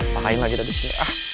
pakain lagi dari sini